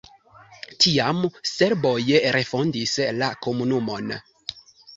Tiam serboj refondis la komunumon.